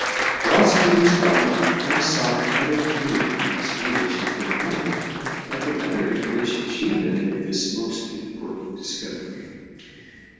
Whilst he was gone, I sought and obtained an explanation from Ella of the manner in which she had made this most important discovery.